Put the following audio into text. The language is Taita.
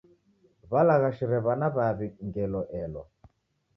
W'alaghashire w'ana w'aw'i ngelo elwa.